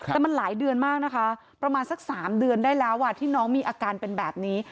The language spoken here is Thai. แต่มันหลายเดือนมากนะคะประมาณสัก๓เดือนได้แล้วที่น้องมีอาการเป็นแบบนี้